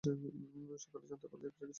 সকালে জানতে পারলে কিছু একটা করতাম।